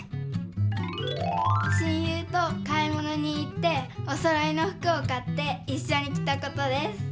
親友と買いものに行っておそろいのふくを買っていっしょにきたことです。